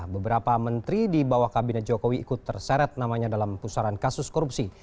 beberapa menteri di bawah kabinet jokowi ikut terseret namanya dalam pusaran kasus korupsi